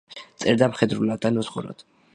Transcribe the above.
წერდა მხედრულად და ნუსხურად.